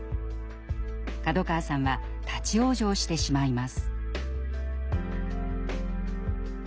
門川さんは立ち往生してしまいます。